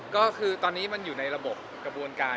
ก็คือตอนนี้มันอยู่ในระบบกระบวนการ